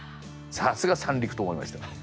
さすが三陸と思いました。